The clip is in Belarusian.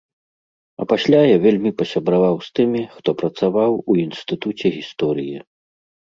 А пасля я вельмі пасябраваў з тымі, хто працаваў у інстытуце гісторыі.